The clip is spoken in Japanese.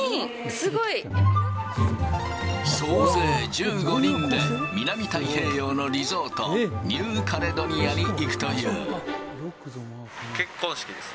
すごい！総勢１５人で南太平洋のリゾート、ニューカレドニアに行くと結婚式です。